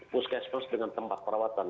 puskesmas dengan tempat perawatan